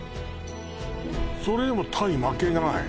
それでも鯛負けない？